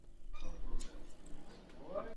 افغانانو د غرونو له لارې دښمن ته نوي ګواښونه جوړ کړل.